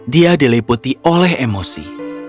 dia diliputi oleh emosi